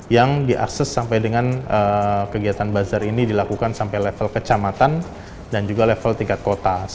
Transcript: yang diakses sampai dengan kegiatan bazar ini dilakukan sampai level kecamatan dan juga level tingkat kota